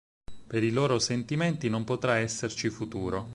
Per i loro sentimenti non potrà esserci futuro.